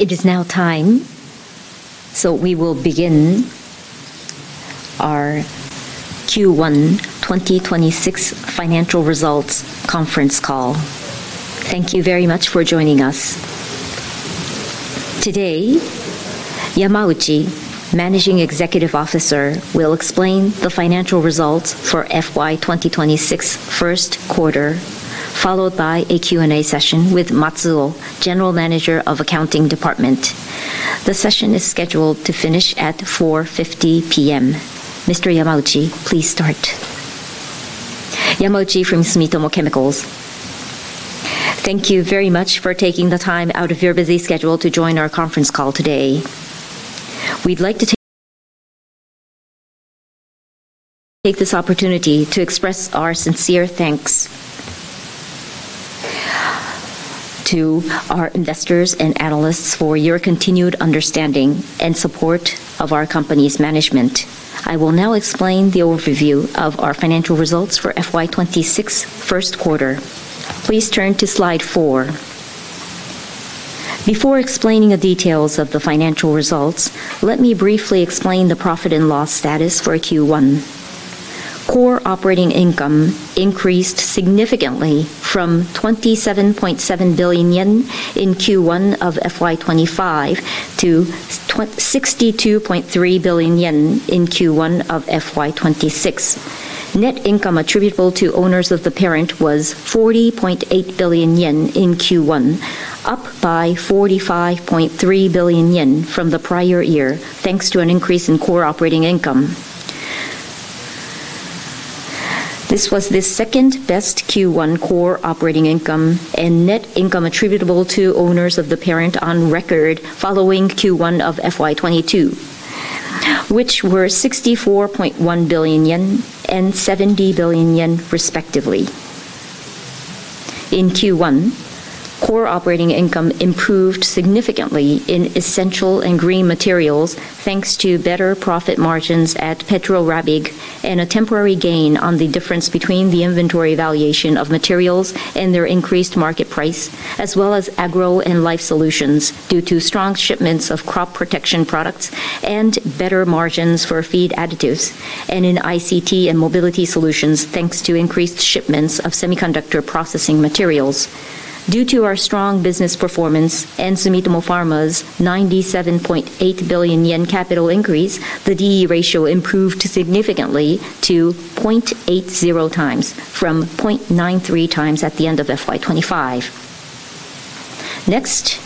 It is now time. We will begin our Q1 2026 financial results conference call. Thank you very much for joining us. Today, Yamauchi, Managing Executive Officer, will explain the financial results for FY 2026 first quarter, followed by a Q&A session with Matsui, General Manager of Accounting Department. The session is scheduled to finish at 4:50 P.M. Mr. Yamauchi, please start. Yamauchi from Sumitomo Chemical. Thank you very much for taking the time out of your busy schedule to join our conference call today. We'd like to take this opportunity to express our sincere thanks to our investors and analysts for your continued understanding and support of our company's management. I will now explain the overview of our financial results for FY 2026 first quarter. Please turn to slide four. Before explaining the details of the financial results, let me briefly explain the profit and loss status for Q1. Core operating income increased significantly from 27.7 billion yen in Q1 of FY 2025 to 62.3 billion yen in Q1 of FY 2026. Net income attributable to owners of the parent was 40.8 billion yen in Q1, up by 45.3 billion yen from the prior year, thanks to an increase in core operating income. This was the second-best Q1 core operating income and net income attributable to owners of the parent on record, following Q1 of FY 2022, which were 64.1 billion yen and 70 billion yen respectively. In Q1, core operating income improved significantly in Essential & Green Materials, thanks to better profit margins at PetroRabigh and a temporary gain on the difference between the inventory valuation of materials and their increased market price, as well as Agro & Life Solutions due to strong shipments of crop protection products and better margins for feed additives, and in ICT & Mobility Solutions, thanks to increased shipments of semiconductor processing materials. Due to our strong business performance and Sumitomo Pharma's 97.8 billion yen capital increase, the D/E ratio improved significantly to 0.80x from 0.93x at the end of FY 2025. Next,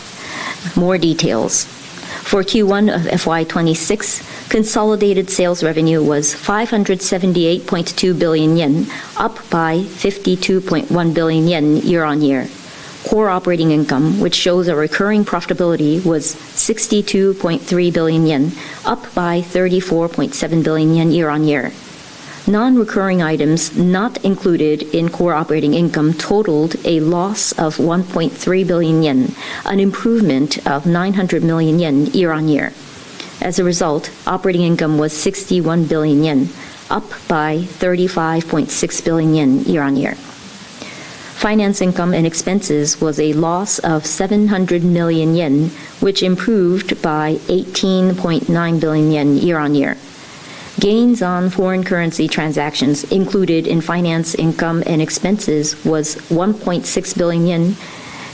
more details. For Q1 of FY 2026, consolidated sales revenue was 578.2 billion yen, up by 52.1 billion yen year-on-year. Core operating income, which shows a recurring profitability, was 62.3 billion yen, up by 34.7 billion yen year-on-year. Non-recurring items not included in core operating income totaled a loss of 1.3 billion yen, an improvement of 900 million yen year-on-year. As a result, operating income was 61 billion yen, up by 35.6 billion yen year-on-year. Finance income and expenses was a loss of 700 million yen, which improved by 18.9 billion yen year-on-year. Gains on foreign currency transactions included in finance income and expenses was 1.6 billion yen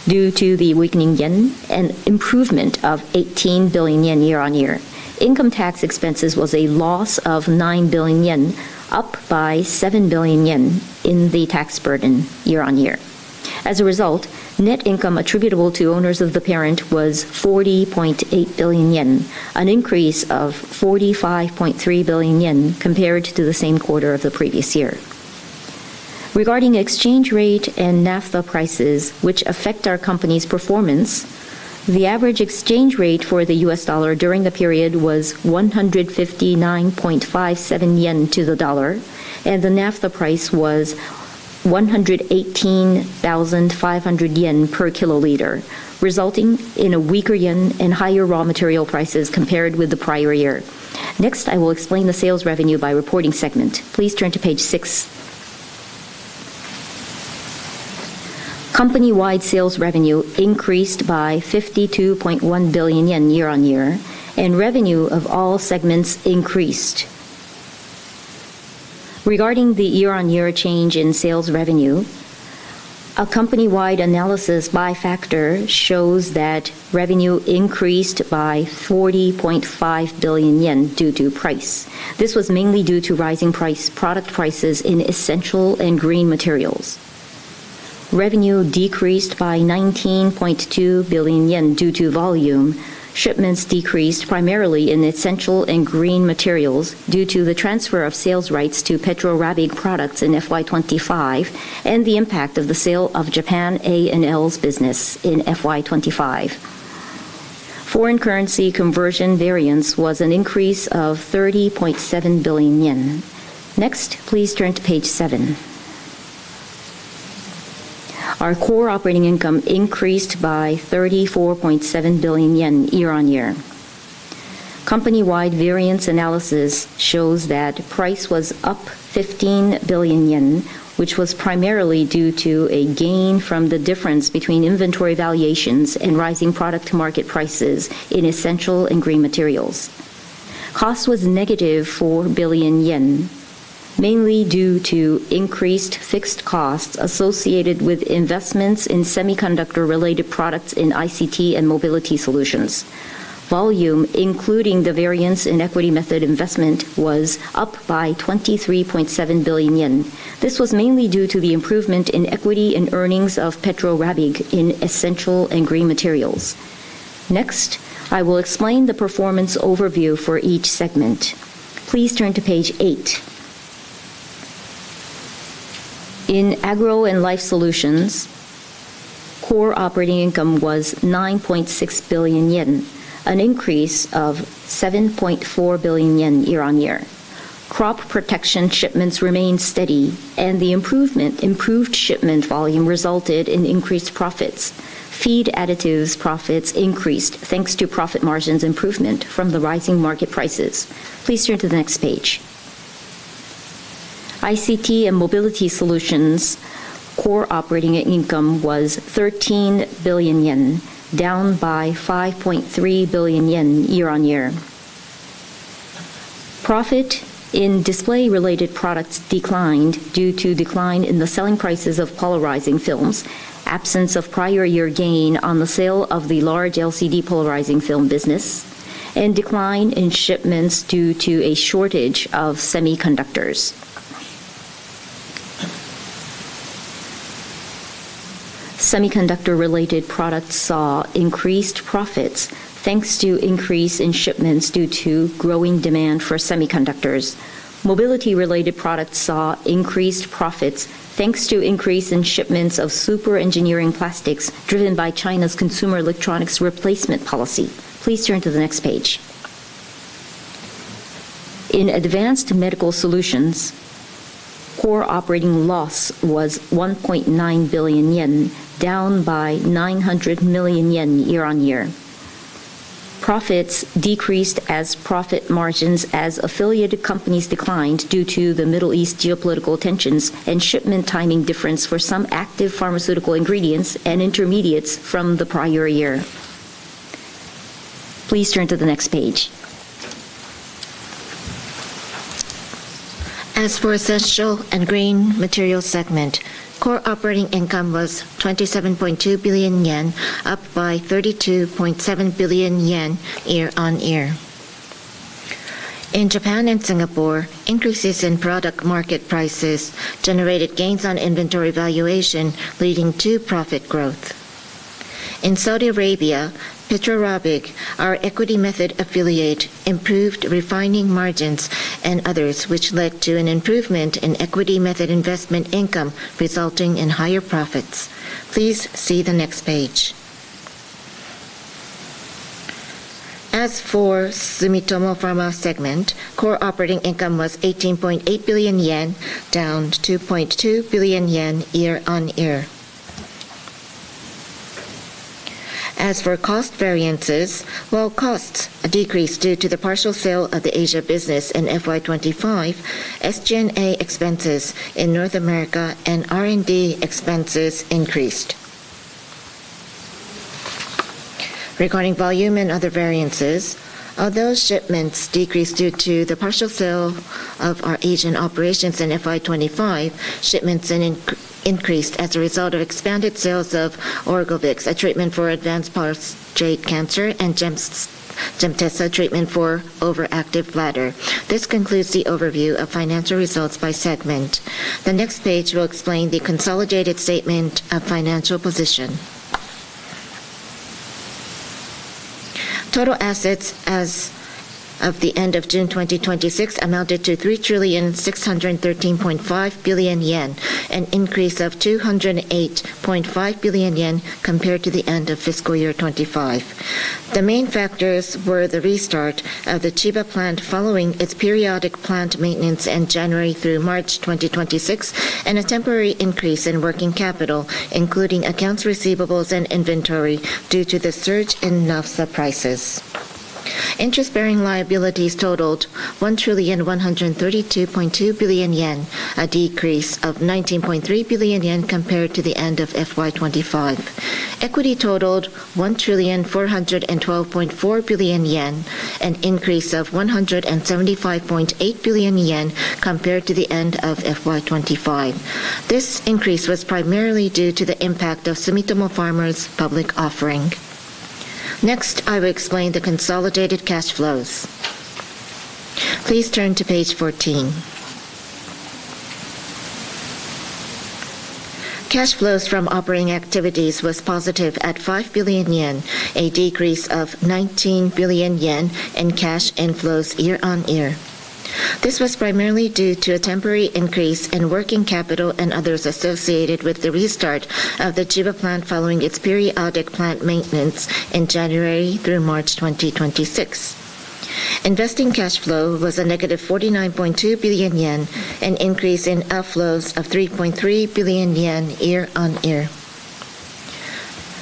due to the weakening yen, an improvement of 18 billion yen year-on-year. Income tax expenses was a loss of 9 billion yen, up by 7 billion yen in the tax burden year-on-year. As a result, net income attributable to owners of the parent was 40.8 billion yen, an increase of 45.3 billion yen compared to the same quarter of the previous year. Regarding exchange rate and naphtha prices, which affect our company's performance, the average exchange rate for the US dollar during the period was 159.57 yen to the dollar, and the naphtha price was 118,500 yen per kiloliter, resulting in a weaker yen and higher raw material prices compared with the prior year. I will explain the sales revenue by reporting segment. Please turn to page six. Company-wide sales revenue increased by 52.1 billion yen year-on-year, and revenue of all segments increased. Regarding the year-on-year change in sales revenue, a company-wide analysis by factor shows that revenue increased by 40.5 billion yen due to price. This was mainly due to rising product prices in Essential & Green Materials. Revenue decreased by 19.2 billion yen due to volume. Shipments decreased primarily in Essential & Green Materials due to the transfer of sales rights to PetroRabigh products in FY 2025 and the impact of the sale of NIPPON A&L's business in FY 2025. Foreign currency conversion variance was an increase of 30.7 billion yen. Please turn to page seven. Our core operating income increased by 34.7 billion yen year-on-year. Company-wide variance analysis shows that price was up 15 billion yen, which was primarily due to a gain from the difference between inventory valuations and rising product market prices in Essential & Green Materials. Cost was negative 4 billion yen, mainly due to increased fixed costs associated with investments in semiconductor-related products in ICT & Mobility Solutions. Volume, including the variance in equity method investment, was up by 23.7 billion yen. This was mainly due to the improvement in equity and earnings of PetroRabigh in Essential & Green Materials. I will explain the performance overview for each segment. Please turn to page eight. In Agro & Life Solutions, core operating income was 9.6 billion yen, an increase of 7.4 billion yen year-on-year. Crop protection shipments remained steady, and the improved shipment volume resulted in increased profits. Feed additives profits increased, thanks to profit margins improvement from the rising market prices. Please turn to the next page. ICT & Mobility Solutions core operating income was 13 billion yen, down by 5.3 billion yen year-on-year. Profit in display-related products declined due to decline in the selling prices of polarizing films, absence of prior year gain on the sale of the large LCD polarizing film business, and decline in shipments due to a shortage of semiconductors. Semiconductor-related products saw increased profits, thanks to increase in shipments due to growing demand for semiconductors. Mobility-related products saw increased profits, thanks to increase in shipments of super engineering plastics driven by China's consumer electronics replacement policy. Please turn to the next page. In Advanced Medical Solutions, core operating loss was 1.9 billion yen, down by 900 million yen year-on-year. Profits decreased as profit margins as affiliated companies declined due to the Middle East geopolitical tensions and shipment timing difference for some active pharmaceutical ingredients and intermediates from the prior year. Please turn to the next page. As for Essential & Green Materials segment, core operating income was 27.2 billion yen, up by 32.7 billion yen year-on-year. In Japan and Singapore, increases in product market prices generated gains on inventory valuation, leading to profit growth. In Saudi Arabia, PetroRabigh, our equity method affiliate, improved refining margins and others, which led to an improvement in equity method investment income, resulting in higher profits. Please see the next page. As for Sumitomo Pharma segment, core operating income was 18.8 billion yen, down 2.2 billion yen year-on-year. As for cost variances, while costs decreased due to the partial sale of the Asia business in FY 2025, SG&A expenses in North America and R&D expenses increased. Regarding volume and other variances, although shipments decreased due to the partial sale of our Asian operations in FY 2025, shipments increased as a result of expanded sales of ORGOVYX, a treatment for advanced prostate cancer, and GEMTESA, a treatment for overactive bladder. This concludes the overview of financial results by segment. The next page will explain the consolidated statement of financial position. Total assets as of the end of June 2026 amounted to 3,613.5 billion yen, an increase of 208.5 billion yen compared to the end of FY 2025. The main factors were the restart of the Chiba plant following its periodic plant maintenance in January through March 2026 and a temporary increase in working capital, including accounts receivables and inventory, due to the surge in naphtha prices. Interest-bearing liabilities totaled 1,132.2 billion yen, a decrease of 19.3 billion yen compared to the end of FY 2025. Equity totaled 1,412.4 billion yen, an increase of 175.8 billion yen compared to the end of FY 2025. This increase was primarily due to the impact of Sumitomo Pharma's public offering. Next, I will explain the consolidated cash flows. Please turn to page 14. Cash flows from operating activities was positive at 5 billion yen, a decrease of 19 billion yen in cash inflows year-on-year. This was primarily due to a temporary increase in working capital and others associated with the restart of the Chiba plant following its periodic plant maintenance in January through March 2026. Investing cash flow was a negative 49.2 billion yen, an increase in outflows of 3.3 billion yen year-on-year.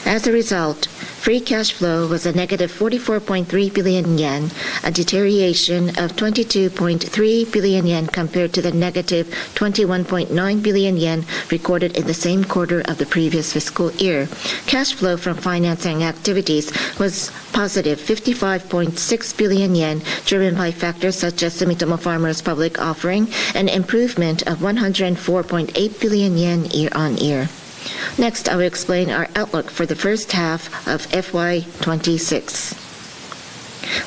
As a result, free cash flow was a -44.3 billion yen, a deterioration of 22.3 billion yen compared to the -21.9 billion yen recorded in the same quarter of the previous fiscal year. Cash flow from financing activities was +55.6 billion yen, driven by factors such as Sumitomo Pharma's public offering, an improvement of 104.8 billion yen year-on-year. Next, I will explain our outlook for the first half of FY 2026.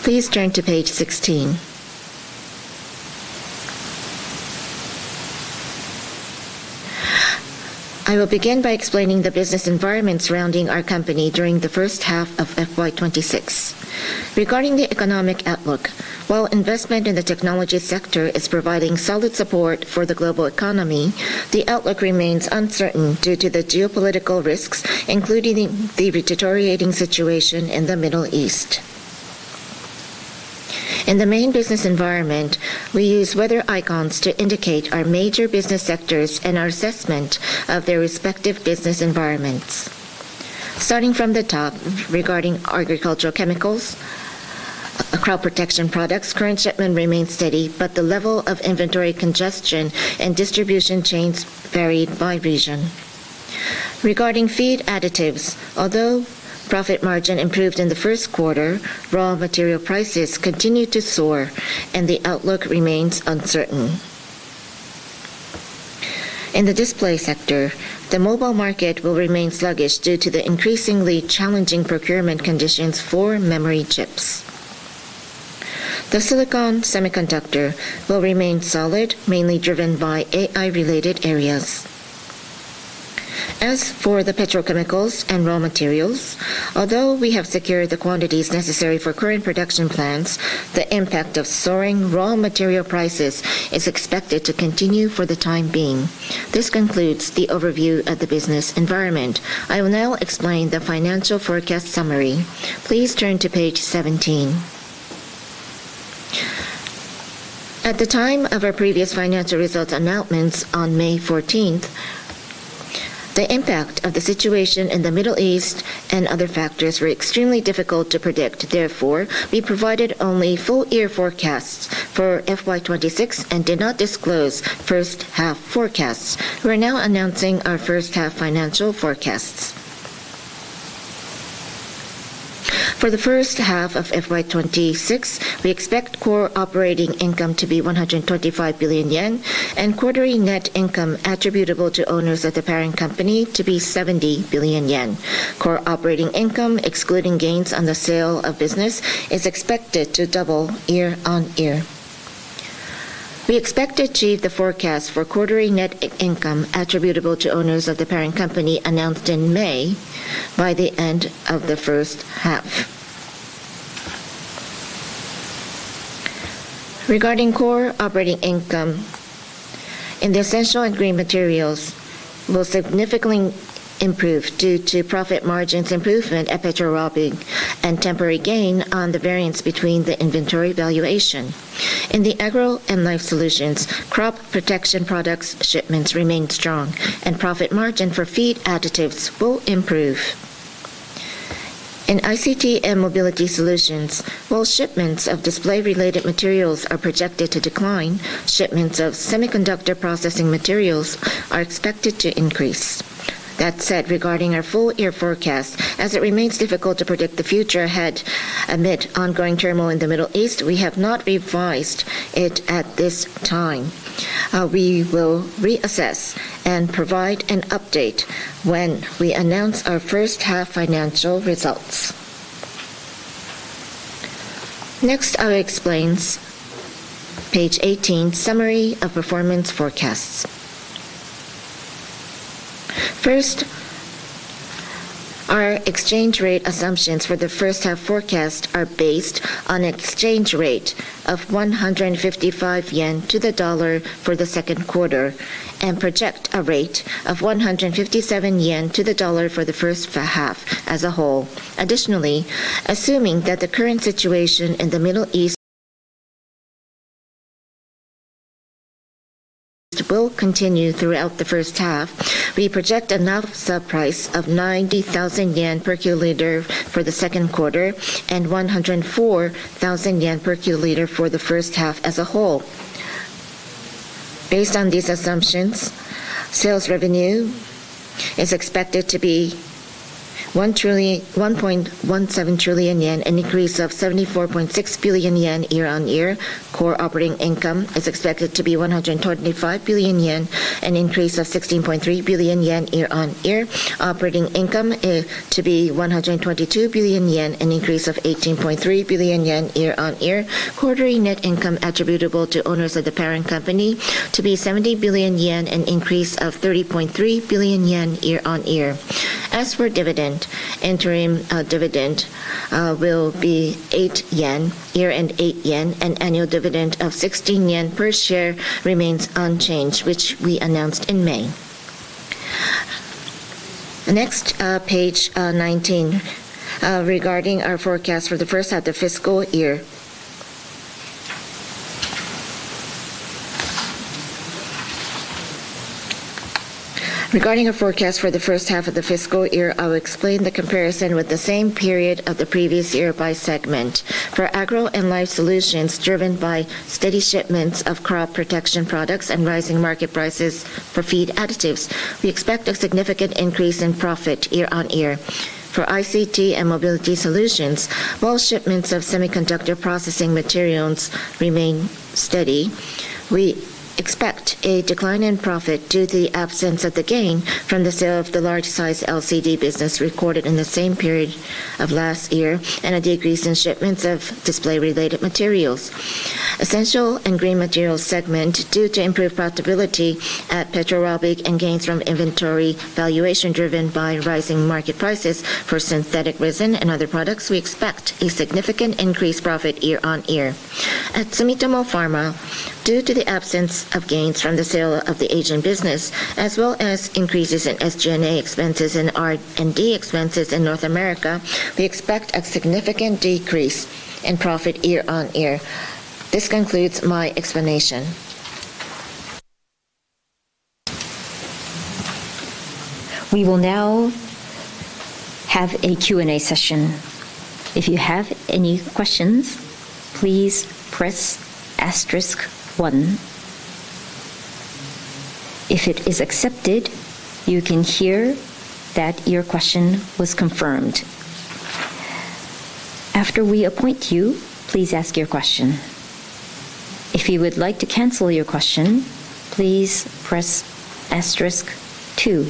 Please turn to page 16. I will begin by explaining the business environment surrounding our company during the first half of FY 2026. Regarding the economic outlook, while investment in the technology sector is providing solid support for the global economy, the outlook remains uncertain due to the geopolitical risks, including the deteriorating situation in the Middle East. In the main business environment, we use weather icons to indicate our major business sectors and our assessment of their respective business environments. Starting from the top, regarding agricultural chemicals, crop protection products, current shipment remains steady, but the level of inventory congestion and distribution chains vary by region. Regarding feed additives, although profit margin improved in the first quarter, raw material prices continued to soar and the outlook remains uncertain. In the display sector, the mobile market will remain sluggish due to the increasingly challenging procurement conditions for memory chips. The silicon semiconductor will remain solid, mainly driven by AI-related areas. As for the petrochemicals and raw materials, although we have secured the quantities necessary for current production plans, the impact of soaring raw material prices is expected to continue for the time being. This concludes the overview of the business environment. I will now explain the financial forecast summary. Please turn to page 17. At the time of our previous financial results announcements on May 14th, the impact of the situation in the Middle East and other factors were extremely difficult to predict. Therefore, we provided only full-year forecasts for FY 2026 and did not disclose first-half forecasts. We are now announcing our first-half financial forecasts. For the first half of FY 2026, we expect core operating income to be 125 billion yen and quarterly net income attributable to owners of the parent company to be 70 billion yen. Core operating income, excluding gains on the sale of business, is expected to double year-on-year. We expect to achieve the forecast for quarterly net income attributable to owners of the parent company announced in May by the end of the first half. Regarding core operating income, in the Essential & Green Materials will significantly improve due to profit margins improvement at PetroRabigh and temporary gain on the variance between the inventory valuation. In the Agro & Life Solutions, crop protection products shipments remain strong and profit margin for feed additives will improve. In ICT & Mobility Solutions, while shipments of display-related materials are projected to decline, shipments of semiconductor processing materials are expected to increase. That said, regarding our full-year forecast, as it remains difficult to predict the future ahead amid ongoing turmoil in the Middle East, we have not revised it at this time. We will reassess and provide an update when we announce our first-half financial results. Next, I'll explain page 18, summary of performance forecasts. First, our exchange rate assumptions for the first-half forecast are based on an exchange rate of 155 yen to the dollar for the second quarter and project a rate of 157 yen to the dollar for the first half as a whole. Additionally, assuming that the current situation in the Middle East will continue throughout the first half, we project a naphtha price of 90,000 yen per kiloliter for the second quarter and 104,000 yen per kiloliter for the first half as a whole. Based on these assumptions, sales revenue is expected to be 1.17 trillion yen, an increase of 74.6 billion yen year-on-year. Core operating income is expected to be 125 billion yen, an increase of 16.3 billion yen year-on-year. Operating income to be 122 billion yen, an increase of 18.3 billion yen year-on-year. Quarterly net income attributable to owners of the parent company to be 70 billion yen, an increase of 30.3 billion yen year-on-year. As for dividend, interim dividend will be 8 yen year-on-year and 8 yen, an annual dividend of 16 yen per share remains unchanged, which we announced in May. Next, page 19, regarding our forecast for the first half of the fiscal year. Regarding a forecast for the first half of the fiscal year, I'll explain the comparison with the same period of the previous year by segment. For Agro & Life Solutions, driven by steady shipments of crop protection products and rising market prices for feed additives, we expect a significant increase in profit year-on-year. For ICT & Mobility Solutions, while shipments of semiconductor processing materials remain steady, we expect a decline in profit due to the absence of the gain from the sale of the large size LCD business recorded in the same period of last year and a decrease in shipments of display-related materials. Essential & Green Materials segment, due to improved profitability at PetroRabigh and gains from inventory valuation driven by rising market prices for synthetic resin and other products, we expect a significant increased profit year-on-year. At Sumitomo Pharma, due to the absence of gains from the sale of the agent business as well as increases in SG&A expenses and R&D expenses in North America, we expect a significant decrease in profit year-on-year. This concludes my explanation. We will now have a Q&A session. If you have any questions, please press asterisk one. If it is accepted, you can hear that your question was confirmed. After we appoint you, please ask your question. If you would like to cancel your question, please press asterisk two.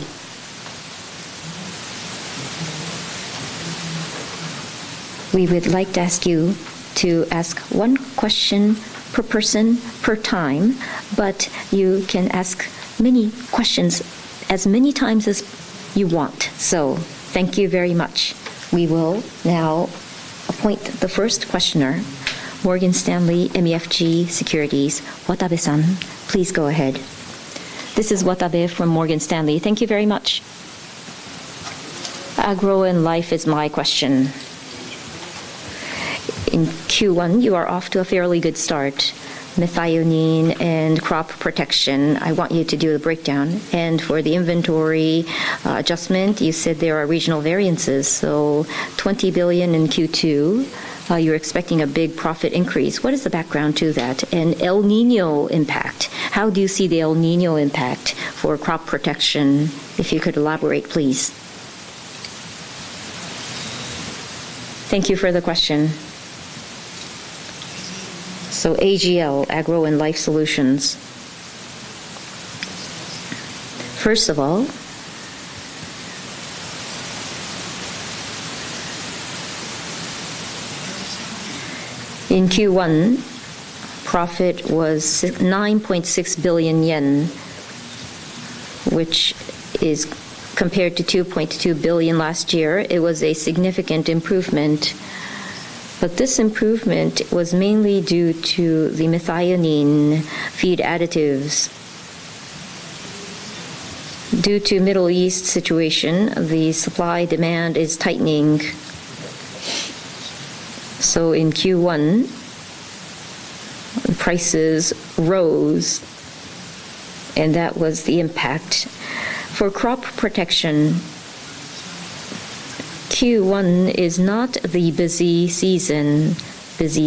We would like to ask you to ask one question per person per time, but you can ask many questions as many times as you want. Thank you very much. We will now appoint the first questioner, Morgan Stanley MUFG Securities, Watabe-san. Please go ahead. This is Watabe from Morgan Stanley. Thank you very much. Agro & Life is my question. In Q1, you are off to a fairly good start. Methionine and crop protection, I want you to do a breakdown. For the inventory adjustment, you said there are regional variances. 20 billion in Q2, you're expecting a big profit increase. What is the background to that? El Niño impact. How do you see the El Niño impact for crop protection? If you could elaborate, please. Thank you for the question. AGL, Agro & Life Solutions. First of all, in Q1, profit was 9.6 billion yen, which is compared to 2.2 billion last year. It was a significant improvement, but this improvement was mainly due to the methionine feed additives. Due to Middle East situation, the supply-demand is tightening. In Q1, prices rose, and that was the impact. For crop protection, Q1 is not the busy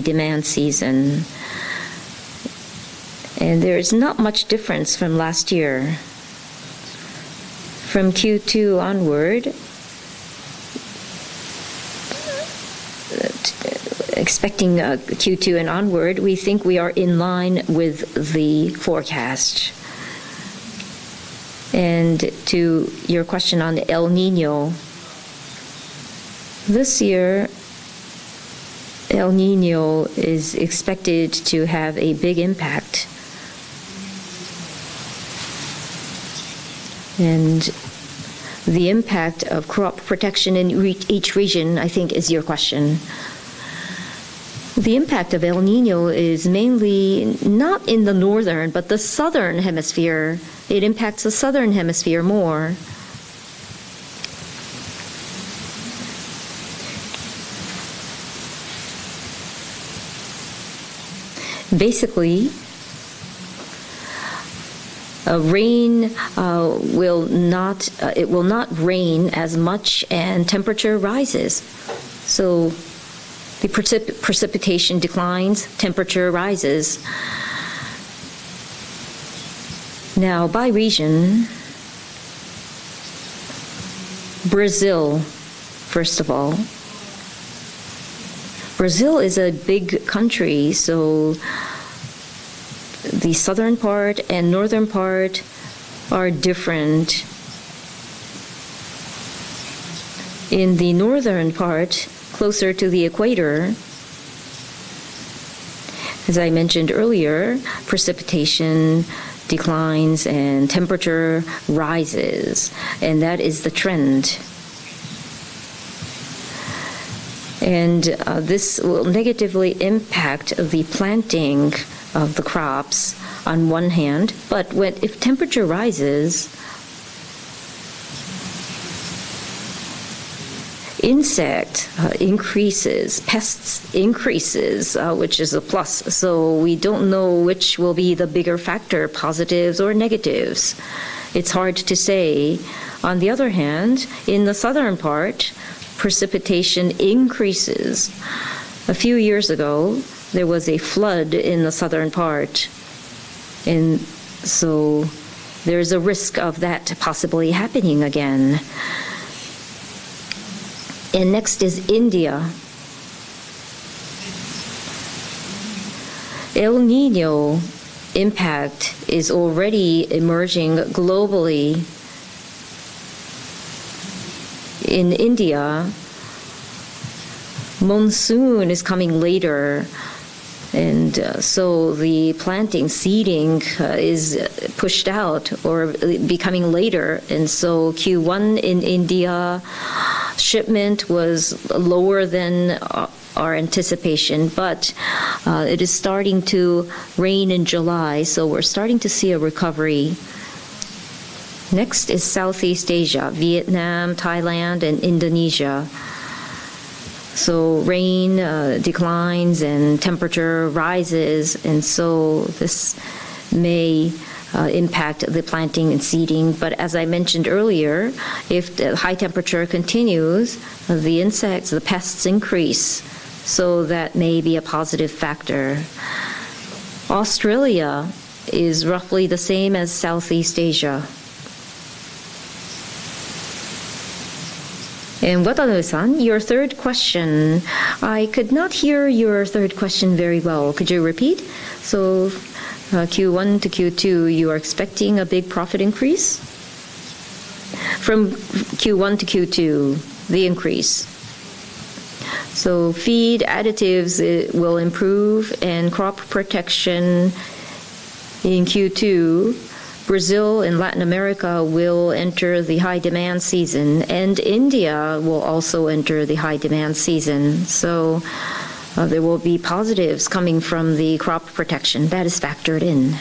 demand season, and there is not much difference from last year. From Q2 onward, expecting Q2 and onward, we think we are in line with the forecast. To your question on El Niño, this year, El Niño is expected to have a big impact. The impact of crop protection in each region, I think, is your question. The impact of El Niño is mainly not in the northern but the southern hemisphere. It impacts the southern hemisphere more. Basically, it will not rain as much and temperature rises. The precipitation declines, temperature rises. Now, by region, Brazil, first of all. Brazil is a big country, so the southern part and northern part are different. In the northern part, closer to the equator, as I mentioned earlier, precipitation declines and temperature rises, and that is the trend. This will negatively impact the planting of the crops on one hand, but if temperature rises, insect increases, pests increases, which is a plus. We don't know which will be the bigger factor, positives or negatives. It's hard to say. On the other hand, in the southern part, precipitation increases. A few years ago, there was a flood in the southern part, there is a risk of that possibly happening again. Next is India. El Niño impact is already emerging globally. In India, monsoon is coming later, the planting seeding is pushed out or be coming later. Q1 in India, shipment was lower than our anticipation. It is starting to rain in July, so we're starting to see a recovery. Next is Southeast Asia, Vietnam, Thailand, and Indonesia. Rain declines and temperature rises, this may impact the planting and seeding. As I mentioned earlier, if the high temperature continues, the insects, the pests increase. That may be a positive factor. Australia is roughly the same as Southeast Asia. Watabe-san, your third question. I could not hear your third question very well. Could you repeat? Q1 to Q2, you are expecting a big profit increase? From Q1 to Q2, the increase. Feed additives will improve and crop protection in Q2. Brazil and Latin America will enter the high-demand season, and India will also enter the high-demand season. There will be positives coming from the crop protection. That is factored in.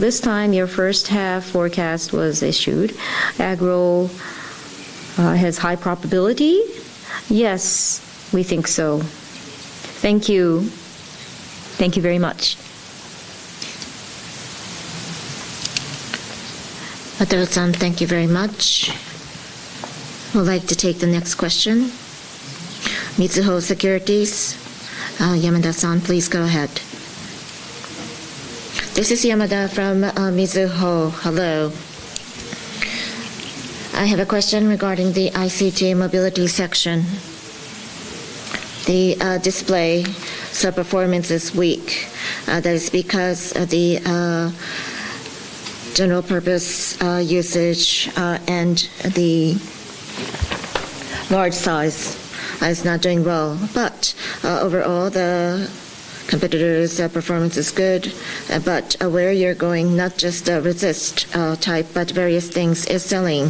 This time your first half forecast was issued. Agro has high probability? Yes, we think so. Thank you. Thank you very much. Watabe-san, thank you very much. Would like to take the next question. Mizuho Securities, Yamada-san, please go ahead. This is Yamada from Mizuho. Hello. I have a question regarding the ICT & Mobility Solutions section. The display sub-performance is weak. That is because of the general purpose usage, and the large size is not doing well. Overall, the competitors' performance is good. Where you're going, not just a resist type, but various things is selling.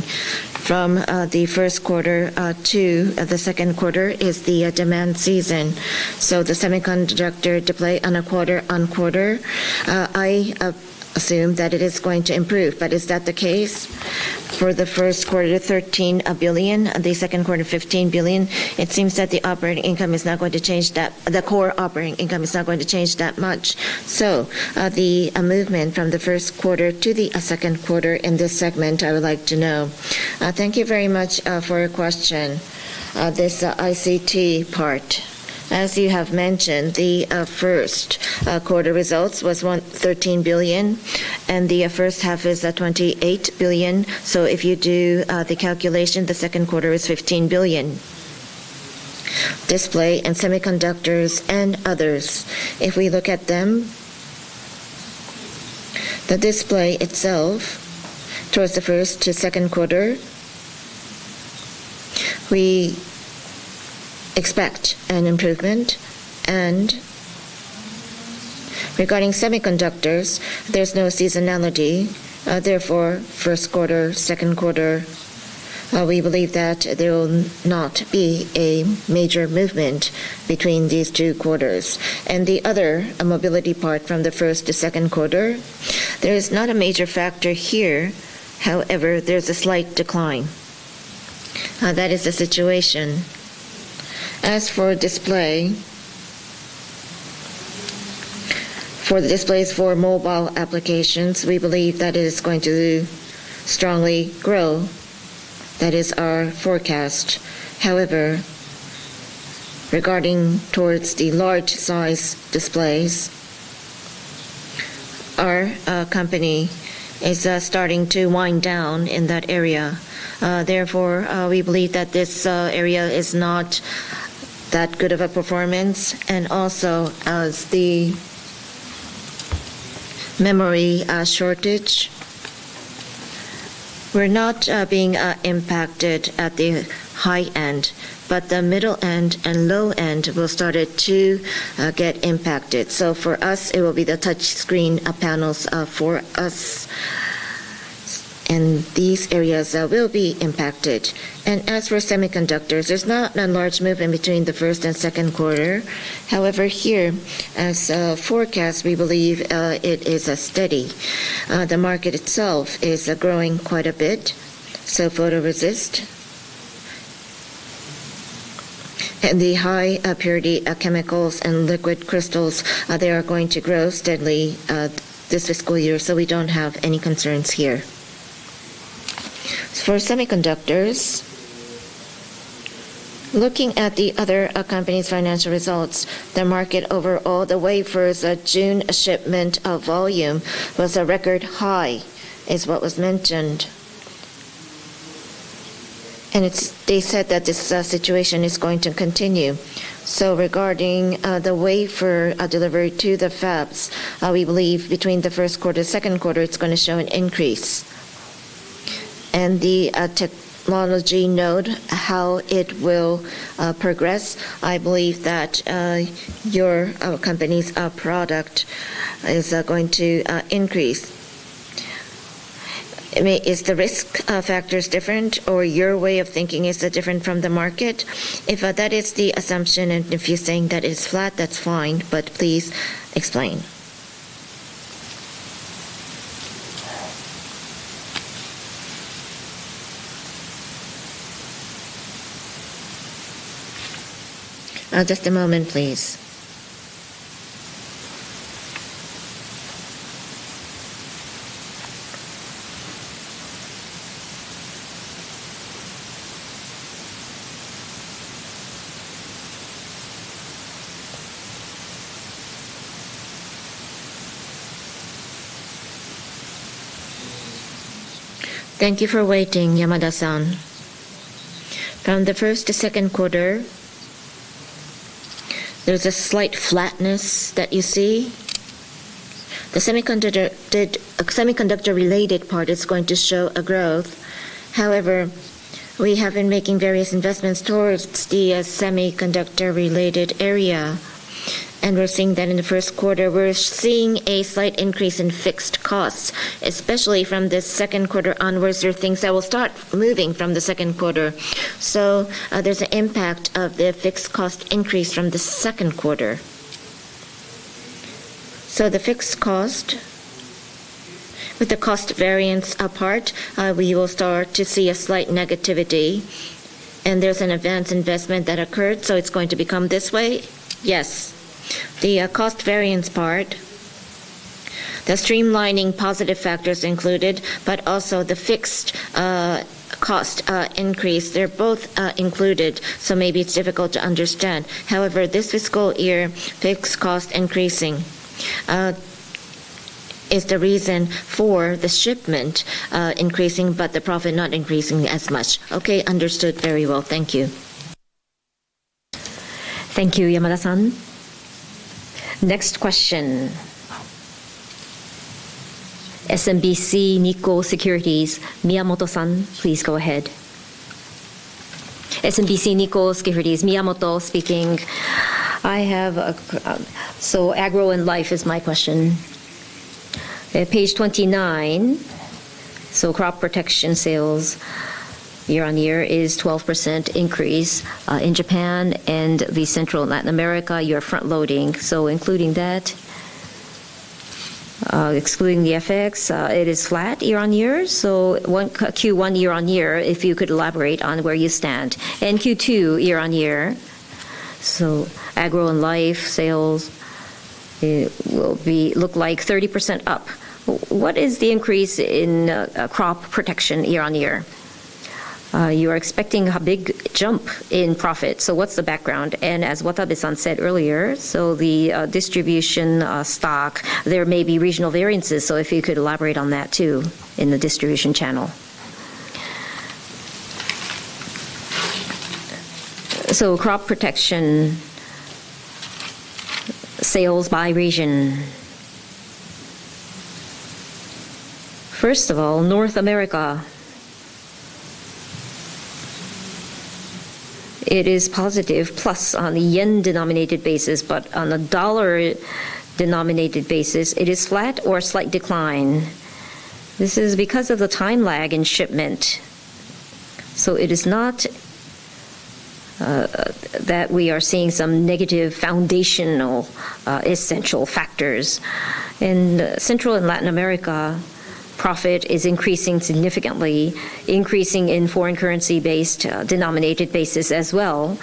From the first quarter to the second quarter is the demand season. The semiconductor display on a quarter-on-quarter, I assume that it is going to improve. Is that the case? For the first quarter, 13 billion, the second quarter, 15 billion. It seems that the core operating income is not going to change that much. The movement from the first quarter to the second quarter in this segment, I would like to know. Thank you very much for your question. This ICT part. As you have mentioned, the first quarter results was 13 billion, and the first half is 28 billion. If you do the calculation, the second quarter is 15 billion. Display and semiconductors and others. If we look at them, the display itself towards the first to second quarter, we expect an improvement. Regarding semiconductors, there's no seasonality. Therefore, first quarter, second quarter, we believe that there will not be a major movement between these two quarters. The other mobility part from the first to second quarter, there is not a major factor here. However, there's a slight decline. That is the situation. As for display, for the displays for mobile applications, we believe that it is going to strongly grow. That is our forecast. However, regarding towards the large size displays, our company is starting to wind down in that area. Therefore, we believe that this area is not that good of a performance, and also as the memory shortage, we're not being impacted at the high end, but the middle end and low end will start to get impacted. For us, it will be the touch screen sensor panels for us, and these areas will be impacted. As for semiconductors, there's not a large movement between the first and second quarter. However, here as forecast, we believe it is steady. The market itself is growing quite a bit. Photoresist. The high purity chemicals and liquid crystals, they are going to grow steadily this fiscal year, so we don't have any concerns here. For semiconductors, looking at the other company's financial results, the market overall, the wafers June shipment volume was a record high, is what was mentioned. They said that this situation is going to continue. Regarding the wafer delivery to the fabs, we believe between the first quarter, second quarter, it's going to show an increase. The technology node, how it will progress, I believe that your company's product is going to increase. Is the risk factors different or your way of thinking is different from the market? If that is the assumption and if you're saying that is flat, that's fine, but please explain. Just a moment, please. Thank you for waiting, Yamada-san. From the first to second quarter, there's a slight flatness that you see. The semiconductor-related part is going to show a growth. However, we have been making various investments towards the semiconductor-related area, and we're seeing that in the first quarter. We're seeing a slight increase in fixed costs, especially from the second quarter onwards. There are things that will start moving from the second quarter. There's an impact of the fixed cost increase from the second quarter. The fixed cost with the cost variance apart, we will start to see a slight negativity and there's an advance investment that occurred, so it's going to become this way. Yes. The cost variance part, the streamlining positive factors included, also the fixed cost increase. They're both included, so maybe it's difficult to understand. This fiscal year, fixed cost increasing is the reason for the shipment increasing, the profit not increasing as much. Okay, understood very well. Thank you. Thank you, Yamada-san. Next question, SMBC Nikko Securities, Miyamoto-san, please go ahead. SMBC Nikko Securities, Miyamoto speaking. Agro & Life Solutions is my question. Page 29, crop protection sales year-on-year is 12% increase in Japan and the Central and Latin America, you're front-loading. Including that, excluding the FX, it is flat year-on-year. Q1 year-on-year, if you could elaborate on where you stand. Q2 year-on-year, Agro & Life Solutions sales, it will look like 30% up. What is the increase in crop protection year-on-year? You are expecting a big jump in profit. What's the background? As Watabe-san said earlier, the distribution stock, there may be regional variances. If you could elaborate on that too in the distribution channel. Crop protection sales by region. First of all, North America. It is positive, plus on the yen-denominated basis, on the dollar-denominated basis, it is flat or a slight decline. This is because of the time lag in shipment. It is not that we are seeing some negative foundational essential factors. In Central and Latin America, profit is increasing significantly, increasing in foreign currency-based denominated basis as well.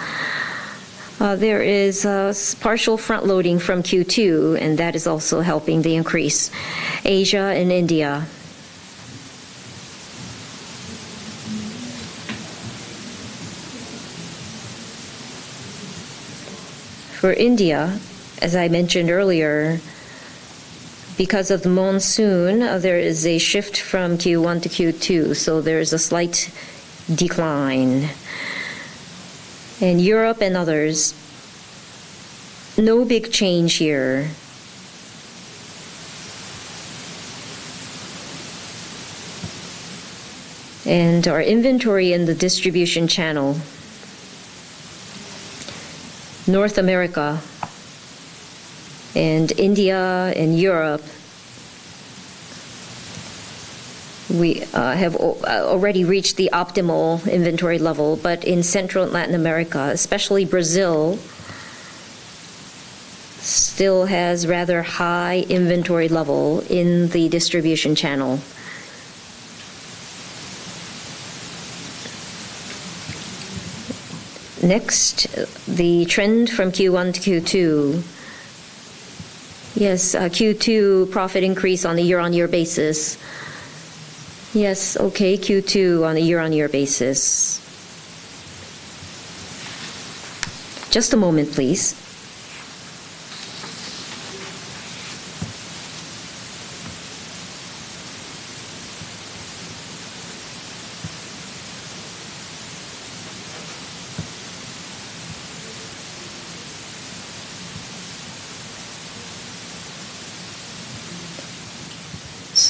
There is a partial front-loading from Q2, that is also helping the increase. Asia and India. For India, as I mentioned earlier, because of the monsoon, there is a shift from Q1 to Q2, there is a slight decline. In Europe and others, no big change here. Our inventory in the distribution channel. North America and India and Europe, we have already reached the optimal inventory level. In Central and Latin America, especially Brazil still has rather high inventory level in the distribution channel. The trend from Q1 to Q2. Q2 profit increase on a year-on-year basis. Q2 on a year-on-year basis.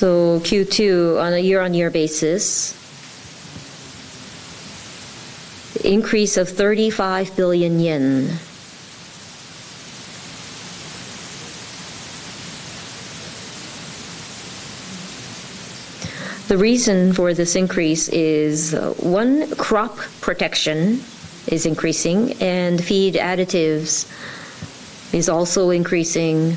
Q2, on a year-on-year basis, increase of JPY 35 billion. The reason for this increase is, one, crop protection is increasing and feed additives is also increasing.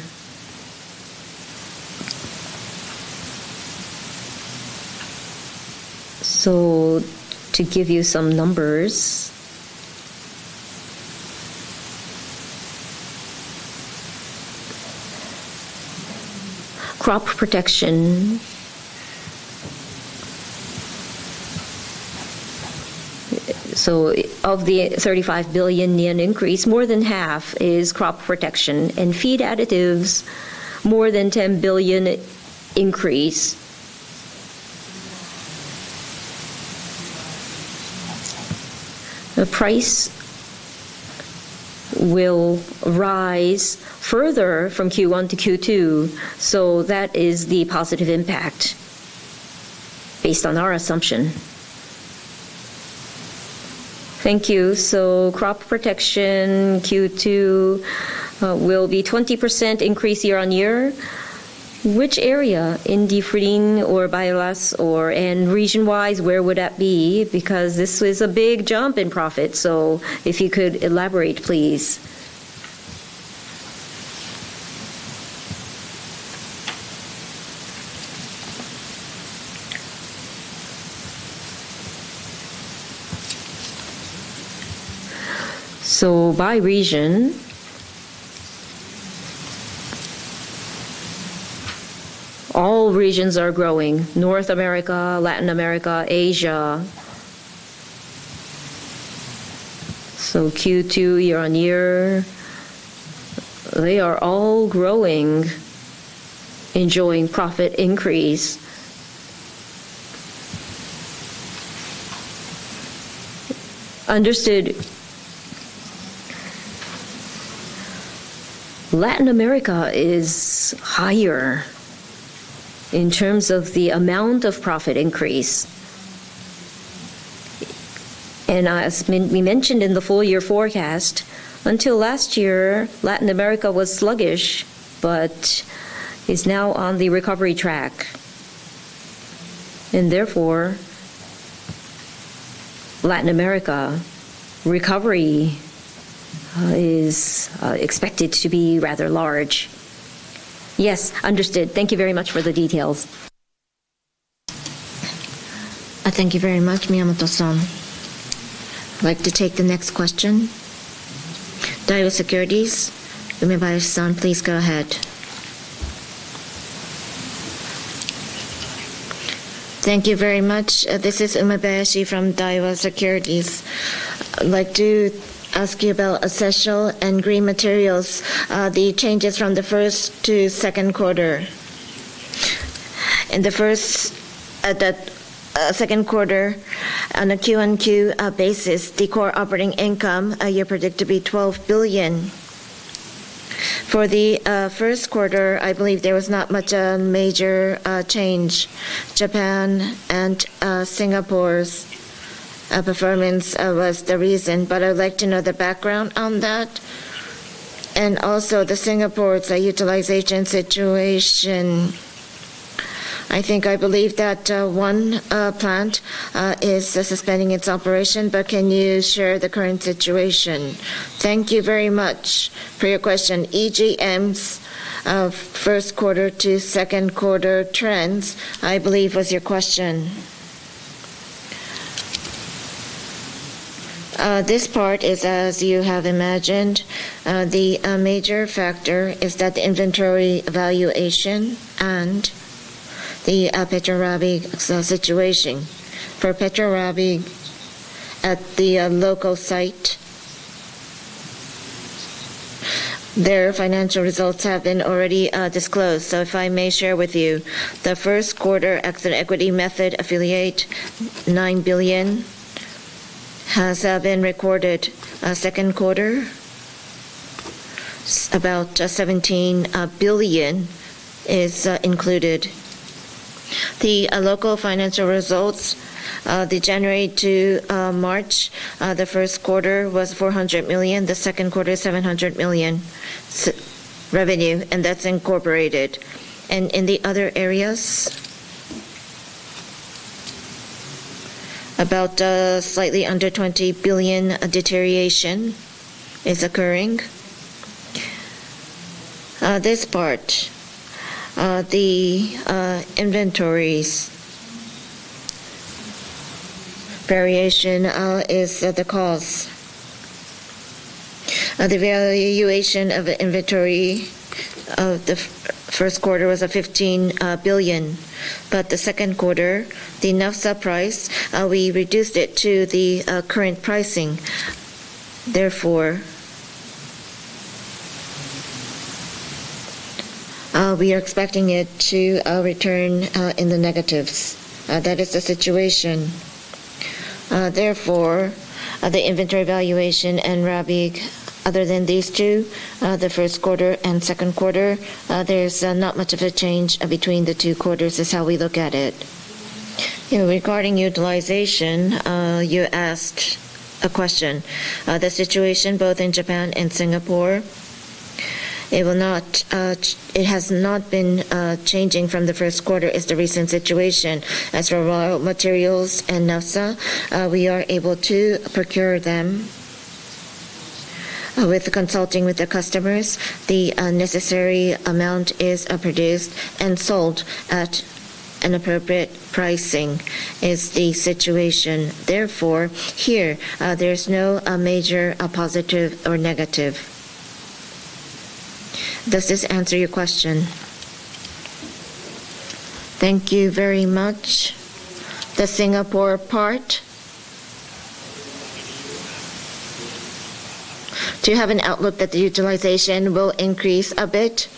To give you some numbers. Crop protection. Of the 35 billion yen increase, more than half is crop protection, and feed additives, more than 10 billion increase. The price will rise further from Q1 to Q2, that is the positive impact based on our assumption. Thank you. Crop protection Q2 will be 20% increase year-on-year. Which area? INDIFLIN or Bio-Ace, and region-wise, where would that be? This was a big jump in profit. If you could elaborate, please. By region, all regions are growing. North America, Latin America, Asia. Q2 year-on-year, they are all growing, enjoying profit increase. Understood. Latin America is higher in terms of the amount of profit increase. As we mentioned in the full year forecast, until last year, Latin America was sluggish but is now on the recovery track. Therefore, Latin America recovery is expected to be rather large. Yes, understood. Thank you very much for the details. Thank you very much, Miyamoto-san. I'd like to take the next question. Daiwa Securities, Umebayashi-san, please go ahead. Thank you very much. This is Umebayashi from Daiwa Securities. I'd like to ask you about Essential & Green Materials, the changes from the first to second quarter. In the second quarter, on a Q-on-Q basis, the core operating income you predict to be 12 billion. For the first quarter, I believe there was not much a major change. Japan and Singapore's performance was the reason. I would like to know the background on that. Also the Singapore's utilization situation. I believe that one plant is suspending its operation. Can you share the current situation? Thank you very much for your question. EGM's first quarter to second quarter trends, I believe was your question. This part is as you have imagined. The major factor is that the inventory valuation and the PetroRabigh situation. For PetroRabigh, at the local site, their financial results have been already disclosed. If I may share with you, the first quarter exit equity method affiliate, 9 billion has been recorded. Second quarter, about 17 billion is included. The local financial results, the January to March, the first quarter was 400 million, the second quarter 700 million revenue, and that's incorporated. In the other areas, about slightly under 20 billion deterioration is occurring. This part, the inventories variation is the cause. The valuation of the inventory of the first quarter was 15 billion, but the second quarter, the naphtha price, we reduced it to the current pricing. Therefore, we are expecting it to return in the negatives. That is the situation. Therefore, the inventory valuation and Rabigh, other than these two, the first quarter and second quarter, there's not much of a change between the two quarters, is how we look at it. Regarding utilization, you asked a question. The situation both in Japan and Singapore, it has not been changing from the first quarter, is the recent situation. As for raw materials and naphtha, we are able to procure them. With consulting with the customers, the necessary amount is produced and sold at an appropriate pricing, is the situation. Therefore, here, there's no major positive or negative. Does this answer your question? Thank you very much. The Singapore part, do you have an outlook that the utilization will increase a bit?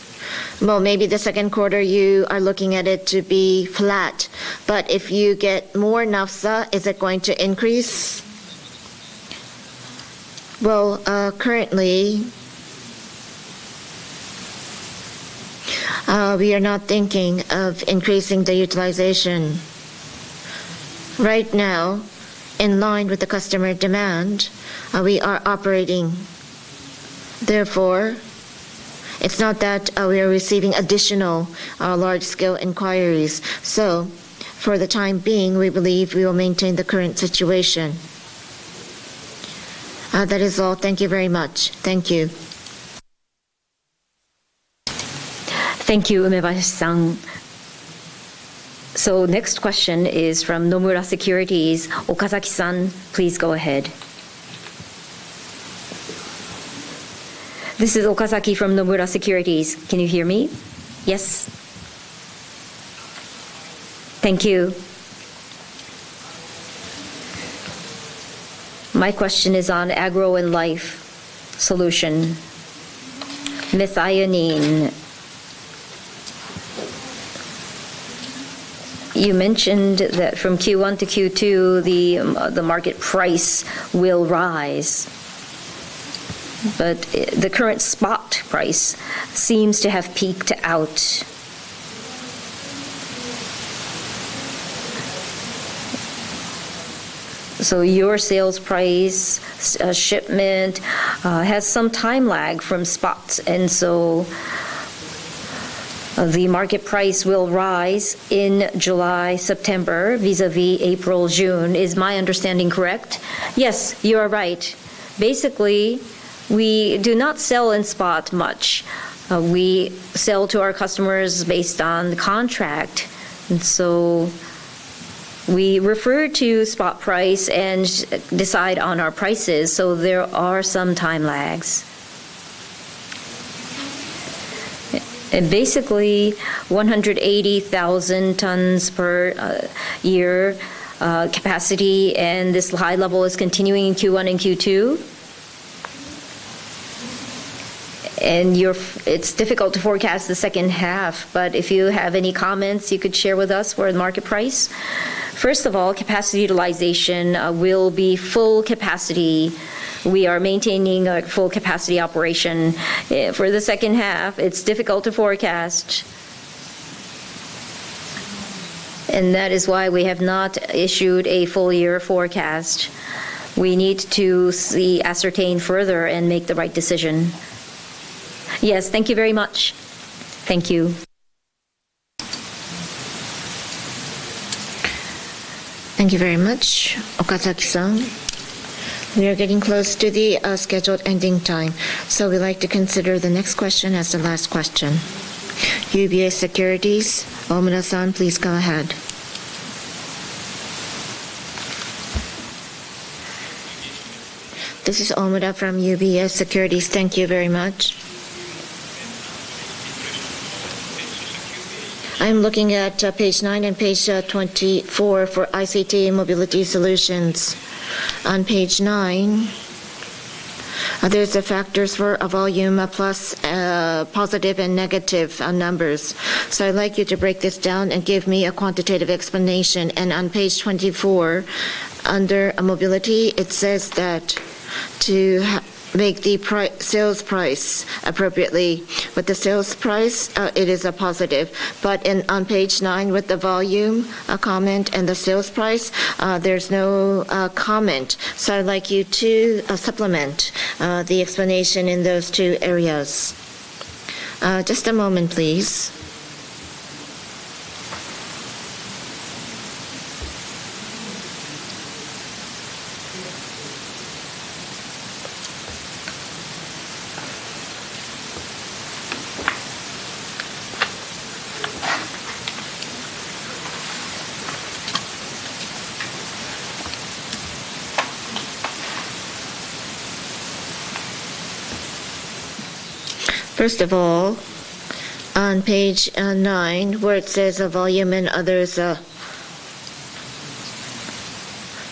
Well, maybe the second quarter you are looking at it to be flat, but if you get more naphtha, is it going to increase? Well, currently, we are not thinking of increasing the utilization. Right now, in line with the customer demand, we are operating. Therefore, it's not that we are receiving additional large-scale inquiries. For the time being, we believe we will maintain the current situation. That is all. Thank you very much. Thank you. Thank you, Umebayashi-san. Next question is from Nomura Securities. Okazaki-san, please go ahead. This is Okazaki from Nomura Securities. Can you hear me? Yes. Thank you. My question is on Agro & Life Solutions. methionine. You mentioned that from Q1 to Q2, the market price will rise, but the current spot price seems to have peaked out. Your sales price shipment has some time lag from spots, and the market price will rise in July, September, vis-à-vis April, June. Is my understanding correct? Yes, you are right. Basically, we do not sell in spot much. We sell to our customers based on the contract, and we refer to spot price and decide on our prices. There are some time lags. Basically, 180,000 tons per year capacity, and this high level is continuing in Q1 and Q2? It's difficult to forecast the second half, but if you have any comments you could share with us for the market price. First of all, capacity utilization will be full capacity. We are maintaining a full capacity operation. For the second half, it's difficult to forecast, and that is why we have not issued a full year forecast. We need to ascertain further and make the right decision. Yes. Thank you very much. Thank you. Thank you very much, Okazaki-san. We are getting close to the scheduled ending time, so we'd like to consider the next question as the last question. UBS Securities, Omura-san, please go ahead. This is Omura from UBS Securities. Thank you very much. I'm looking at page nine and page 24 for ICT and Mobility Solutions. On page nine, there's the factors for volume plus positive and negative numbers. I'd like you to break this down and give me a quantitative explanation. On page 24, under Mobility, it says that to make the sales price appropriately. With the sales price, it is a positive. On page nine, with the volume, a comment, and the sales price, there's no comment. I'd like you to supplement the explanation in those two areas. Just a moment, please. First of all, on page nine, where it says the volume and others,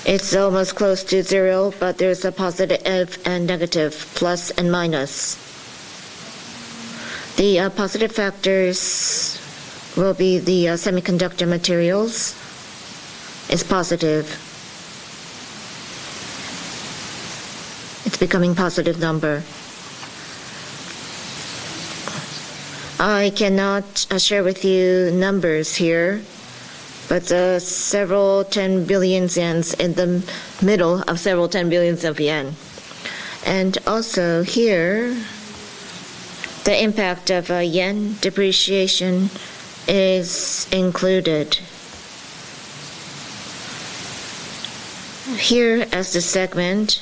it's almost close to zero, but there's a positive and negative, plus and minus. The positive factors will be the semiconductor materials. It's positive. It's becoming a positive number. I cannot share with you numbers here, but several ten billions yens, in the middle of several ten billions of yen. Also here, the impact of yen depreciation is included. Here as the segment,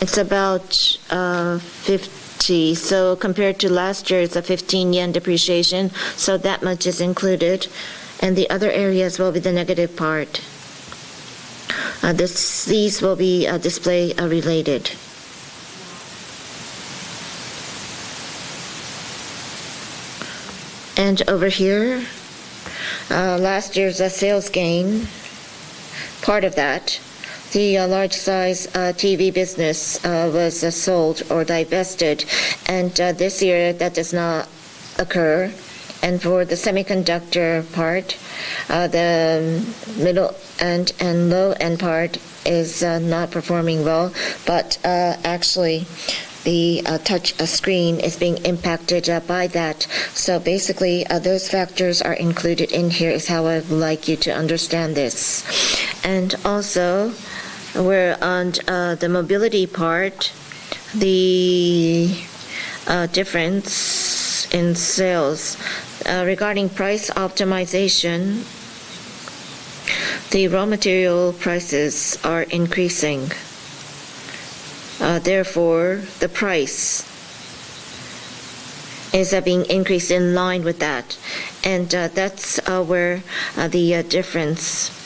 it's about 50. Compared to last year, it's a 15 yen depreciation, so that much is included, and the other areas will be the negative part. These will be display related. Over here, last year's sales gain, part of that, the large size TV business was sold or divested, and this year that does not occur. For the semiconductor part, the middle-end and low-end part is not performing well. Actually, the touch screen is being impacted by that. Basically, those factors are included in here, is how I would like you to understand this. Also, on the mobility part, the difference in sales. Regarding price optimization, the raw material prices are increasing. Therefore, the price is being increased in line with that. That's where the difference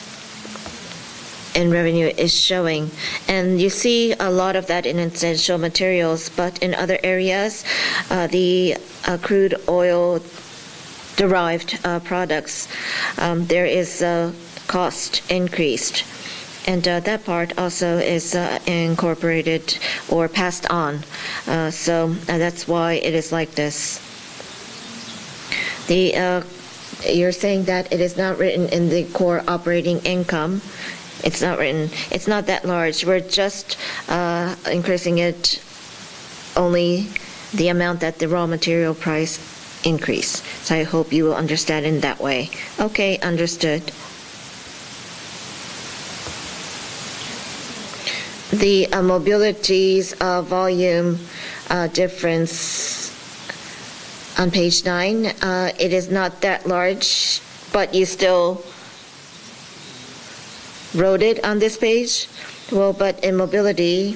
in revenue is showing. You see a lot of that in Essential Materials, but in other areas, the crude oil derived products, there is a cost increase. That part also is incorporated or passed on. That's why it is like this. You're saying that it is not written in the core operating income. It's not written. It's not that large. We're just increasing it only the amount that the raw material price increase. I hope you will understand in that way. Okay, understood. The mobility's volume difference on page nine, it is not that large, but you still wrote it on this page. In mobility,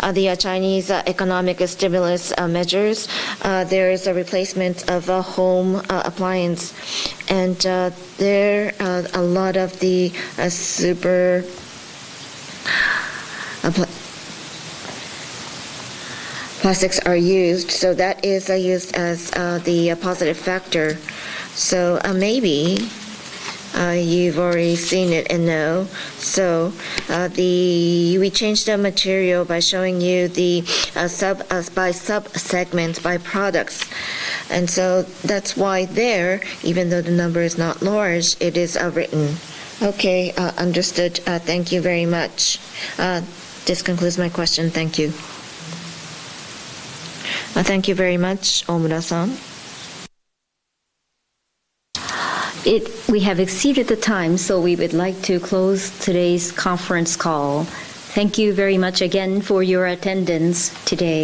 the Chinese economic stimulus measures, there is a replacement of a home appliance, and there, a lot of the super engineering plastics are used, so that is used as the positive factor. Maybe you've already seen it and know. We changed the material by showing you by sub-segments, by products. That's why there, even though the number is not large, it is written. Okay, understood. Thank you very much. This concludes my question. Thank you. Thank you very much, Omura-san. We have exceeded the time, so we would like to close today's conference call. Thank you very much again for your attendance today.